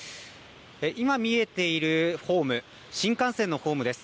今見えているホーム、新幹線のホームです。